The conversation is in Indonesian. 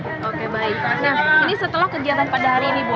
nah ini setelah kegiatan pada hari ini bu